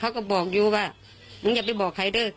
เขาก็บอกอยู่ว่ามึงอยากไปบอกไฮเดิเชย์